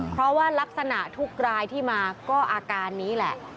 เพราะว่ารักษณะทุกรายที่มาก็อาการนี้แหละ